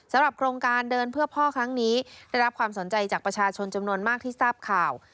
โครงการเดินเพื่อพ่อครั้งนี้ได้รับความสนใจจากประชาชนจำนวนมากที่ทราบข่าว